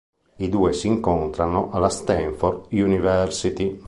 I due si incontrarono alla Stanford University.